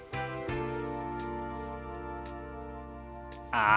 ああ。